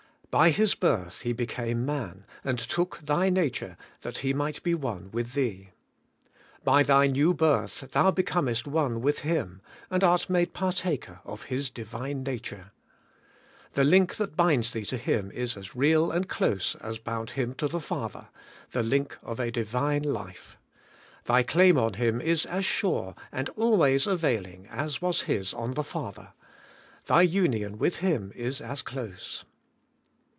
By His birth He became man, and took thy nature that He might be one with thee. By thy new birth thou becomest one with Him, and art made partaker of His Divine nature. The link that binds thee to Him is as real and close as bound Him to the Father — the link of a Divine life. Thy claim on Him is as sure and always availing as was His on the Father. Thy union with Him is as close.